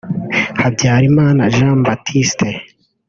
Habyarimana Jean Baptiste